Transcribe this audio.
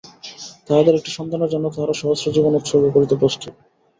তাঁহাদের একটি সন্তানের জন্য তাঁহারা সহস্র জীবন উৎসর্গ করিতে প্রস্তুত।